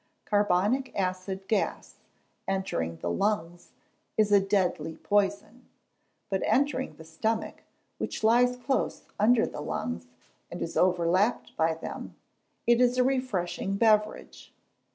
Carbonic acid gas, entering the lungs, is a deadly poison; but entering the stomach, which lies close under the lungs, and is over lapped by them, it is a refreshing beverage.